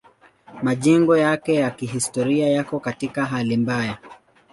Majengo yake ya kihistoria yako katika hali mbaya.